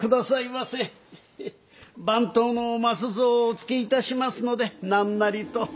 番頭の益蔵をおつけ致しますので何なりと。